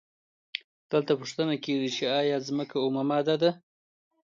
دلته پوښتنه کیږي چې ایا ځمکه اومه ماده ده؟